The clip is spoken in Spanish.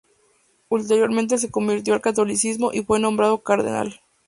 Ulteriormente se convirtió al Catolicismo, y fue nombrado Cardenal.